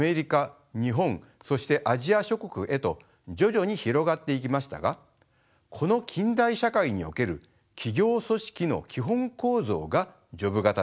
日本そしてアジア諸国へと徐々に広がっていきましたがこの近代社会における企業組織の基本構造がジョブ型です。